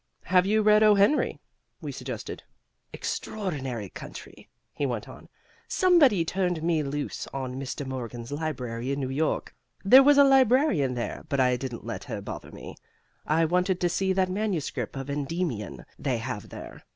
"Have you read O. Henry?" we suggested. "Extraordinary country," he went on. "Somebody turned me loose on Mr. Morgan's library in New York. There was a librarian there, but I didn't let her bother me. I wanted to see that manuscript of 'Endymion' they have there.